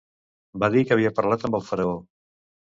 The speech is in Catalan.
Va dir que havia parlat amb el Faraó.